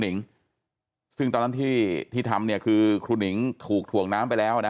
หิงซึ่งตอนนั้นที่ที่ทำเนี่ยคือครูหนิงถูกถ่วงน้ำไปแล้วนะ